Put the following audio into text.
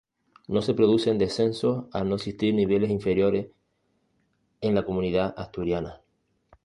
No se producen descensos al no existir niveles inferiores en la comunidad asturiana.